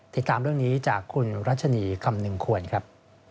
ติดตามเรื่องนี้จากคุณรัชนีคำนึงควรครับ